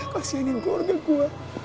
kasihanin keluarga gue